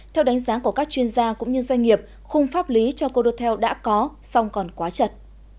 theo đánh giá của các chuyên gia cũng như doanh nghiệp khung pháp lý cho cô đô tèo đã có song còn quá chật